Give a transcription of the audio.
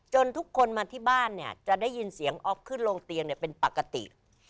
ทุกคนมาที่บ้านเนี่ยจะได้ยินเสียงอ๊อฟขึ้นลงเตียงเป็นปกติ